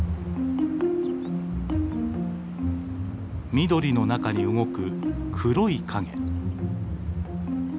緑の中に動く黒い影。